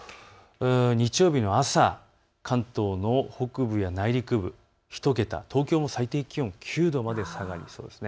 日曜日の朝、関東の北部や内陸部１桁、東京も最低気温９度まで下がります。